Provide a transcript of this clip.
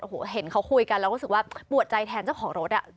โอ้โหเห็นเขาคุยกันเราก็รู้สึกว่าปวดใจแทนเจ้าของรถ